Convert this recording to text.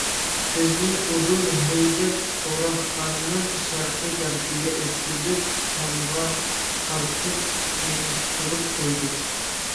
بىزنى ئۇدۇل ھەيدەپ سوراقخانىنىڭ شەرقىي تەرىپىگە ئۆتكۈزۈپ تامغا قارىتىپ ئېڭىشتۈرۈپ قويدى.